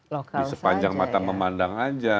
di sepanjang mata memandang aja